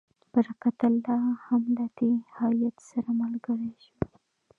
برکت الله هم له دې هیات سره ملګری شو.